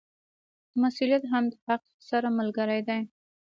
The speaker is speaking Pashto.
مسوولیت هم د حق سره ملګری دی.